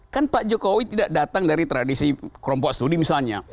kan pak jokowi tidak datang dari tradisi kelompok studi misalnya